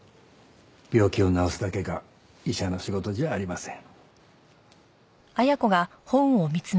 病気を治すだけが医者の仕事じゃありません。